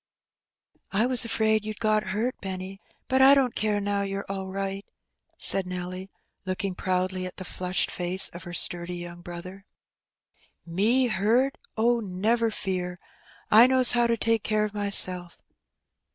'' I was afraid you'd got hurt, Benny ; but I don't care now you're all right," said Nelly, looking proudly at the flushed face of her sturdy young brother. B 2 Heb Benny. "Me hurt? Oh, never fear ! I knows how to take care (£ myBelf.